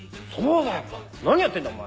何やってんだお前。